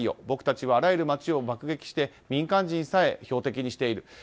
僕たちはあらゆる街を爆撃して民間人さえ標的にしている。